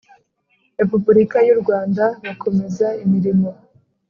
Repubulika y u Rwanda bakomeza imirimo